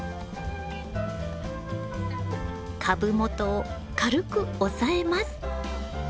株元を軽く押さえます。